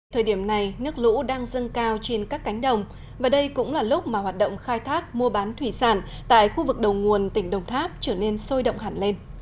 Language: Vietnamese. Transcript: thời điểm này nước lũ đang dâng cao trên các cánh đồng và đây cũng là lúc mà hoạt động khai thác mua bán thủy sản tại khu vực đầu nguồn tỉnh đồng tháp trở nên sôi động hẳn lên